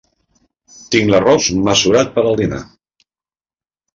Tinc l'arròs mesurat per al dinar.